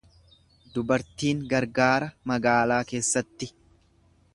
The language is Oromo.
Dubartiin gargaara magaalaa keessatti.